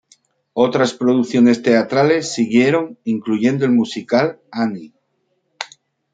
Otras producciones teatrales siguieron, incluyendo el musical "Annie".